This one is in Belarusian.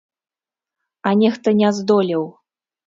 А нехта не здолеў.